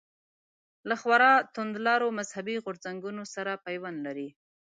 له خورا توندلارو مذهبي غورځنګونو سره پیوند لري.